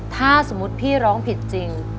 ถ้าสมมุติพี่ร้องผิดจริง